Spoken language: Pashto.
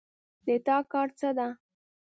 د تا کار څه ده